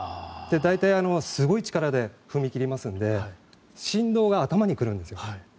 大体すごい力で踏み切りますので振動が頭に来るんですよ。